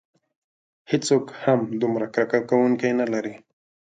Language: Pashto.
هیڅوک هم دومره کرکه کوونکي نه لري.